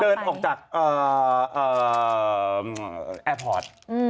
เดินออกจากแอร์พอร์ต